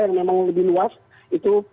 yang memang lebih luas itu